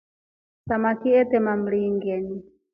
Samaki atema mringeni.